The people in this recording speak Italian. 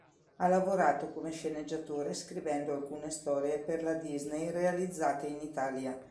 Ha lavorato come sceneggiatore scrivendo alcune storie per la Disney realizzate in Italia.